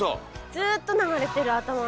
ずっと流れてる頭の中で。